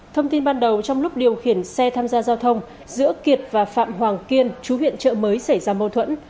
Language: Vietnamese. thông tin ban đầu trong lúc điều khiển xe tham gia giao thông giữa kiệt và phạm hoàng kiên chú huyện trợ mới xảy ra mâu thuẫn